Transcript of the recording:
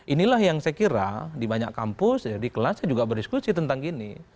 inilah yang saya kira di banyak kampus di kelas saya juga berdiskusi tentang gini